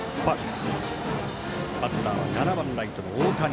バッターは７番ライト、大谷。